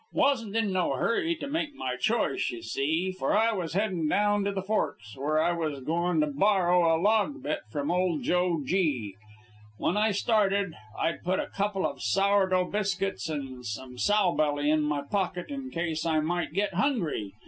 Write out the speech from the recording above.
Wasn't in no hurry to make my choice, you see, for I was headin' down to the Forks, where I was goin' to borrow a log bit from Old Joe Gee. When I started, I'd put a couple of sour dough biscuits and some sowbelly in my pocket in case I might get hungry.